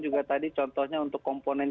juga tadi contohnya untuk komponen